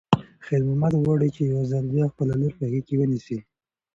خیر محمد غواړي چې یو ځل بیا خپله لور په غېږ کې ونیسي.